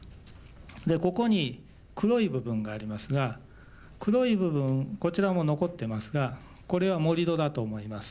ここに、黒い部分がありますが、黒い部分、こちらも残ってますが、これは盛り土だと思います。